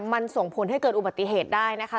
มันส่งผลให้เกิดอุบัติเหตุได้นะคะ